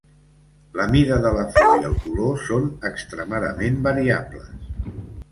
La mida de la flor i el color són extremadament variables.